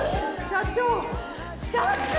社長！